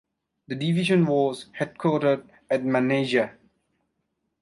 The division was headquartered at Manisa.